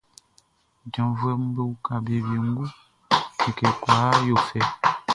Janvuɛʼm be uka be wiengu, like kwlaa yo fɛ.